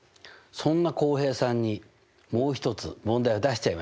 そんな浩平さんにもう一つ問題を出しちゃいましょう。